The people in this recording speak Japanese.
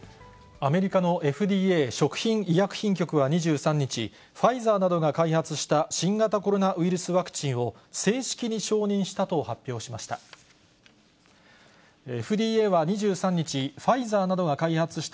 アメリカのＦＤＡ・食品医薬品局は２３日、ファイザーなどが開発した新型コロナウイルスワクチンを、正式に承認したと発表しました。